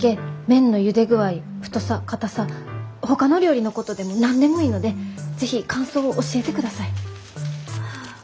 麺のゆで具合太さかたさほかの料理のことでも何でもいいので是非感想を教えてください。